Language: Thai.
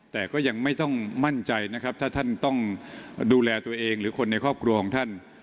แต่ก็ยังไม่ต้องมั่นใจนะครับถ้าท่านต้องดูแลตัวเองหรือคนในครอบครัวของท่าน